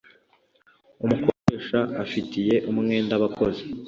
Umukoresha afitiye umwenda abakozi.